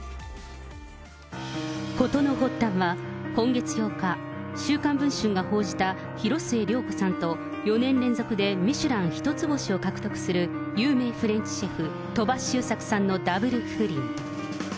事の発端は、今月８日、週刊文春が報じた、広末涼子さんと、４年連続でミシュラン１つ星を獲得する有名フレンチシェフ、鳥羽周作さんのダブル不倫。